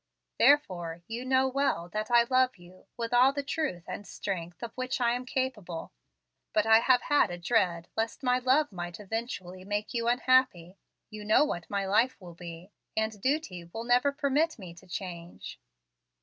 Therefore, you know well that I love you with all the truth and strength of which I am capable. But I have had a great dread lest my love might eventually make you unhappy. You know what my life will be, and duty will never permit me to change."